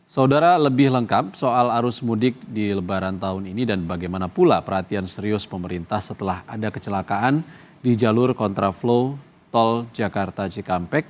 saudara lebih lengkap soal arus mudik di lebaran tahun ini dan bagaimana pula perhatian serius pemerintah setelah ada kecelakaan di jalur kontraflow tol jakarta cikampek